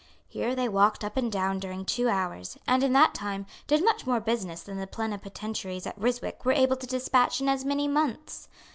Here they walked up and down during two hours, and, in that time, did much more business than the plenipotentiaries at Ryswick were able to despatch in as many months.